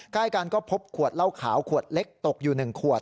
ใกล้กันก็พบขวดเหล้าขาวขวดเล็กตกอยู่๑ขวด